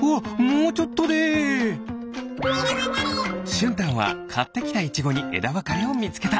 しゅんたんはかってきたイチゴにえだわかれをみつけた！